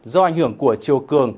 do ảnh hưởng của chiều cường